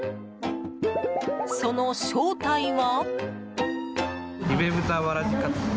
その正体は。